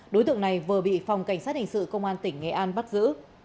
đối tượng này vừa bị phòng cảnh sát hình sự công an tỉnh nghệ an bắt giữ